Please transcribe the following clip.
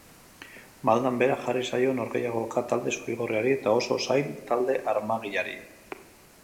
Maldan behera jarri zaio norgehiagoka talde zuri-gorriari, eta oso zail talde armaginari.